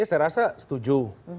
ya saya rasa setuju